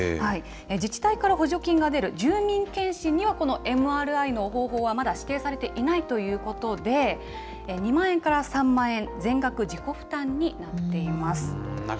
自治体から補助金が出る住民検診には、このＭＲＩの方法はまだ指定されていないということで、２万円から３万円、全額自己負担になっています。